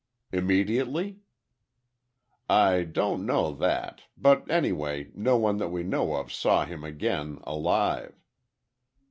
"Immediately?" "I don't know that, but anyway, no one that we know of saw him again alive.